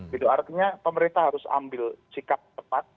artinya pemerintah harus ambil sikap tepat